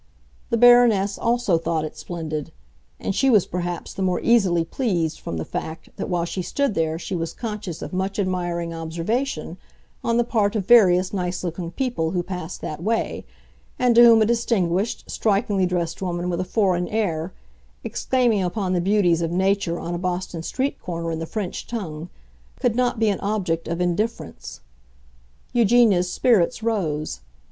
The Baroness also thought it splendid; and she was perhaps the more easily pleased from the fact that while she stood there she was conscious of much admiring observation on the part of various nice looking people who passed that way, and to whom a distinguished, strikingly dressed woman with a foreign air, exclaiming upon the beauties of nature on a Boston street corner in the French tongue, could not be an object of indifference. Eugenia's spirits rose.